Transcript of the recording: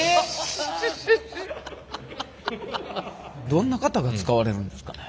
どんな方が使われるんですかね？